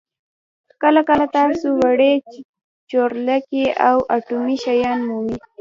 کله کله تاسو وړې چورلکې او اټومي شیان مومئ